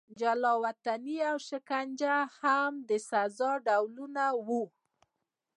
جلا وطني او شکنجه هم د سزا ډولونه وو.